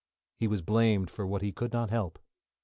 He was blamed for what he could not help.